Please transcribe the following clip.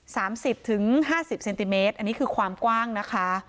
สามสิบถึงห้าสิบเซนติเมตรอันนี้คือความกว้างนะคะ